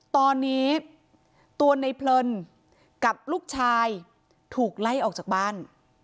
ตอนนี้ตัวในเพลินกับลูกชายถูกไล่ออกจากบ้าน